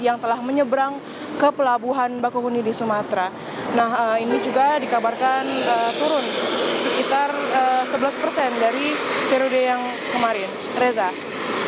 nah ini juga dikabarkan turun sekitar sebelas dari periode yang kemarin